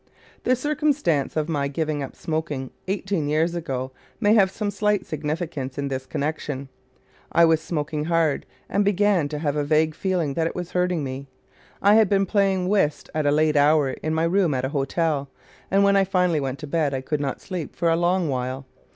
The circumstance of my giving up smoking eighteen years ago may have some slight significance in this connection. I was smoking hard, and began to have a vague feeling that it was hurting me. I had been playing whist at a late hour in my room at a hotel, and when I finally went to bed I could not sleep for a long while.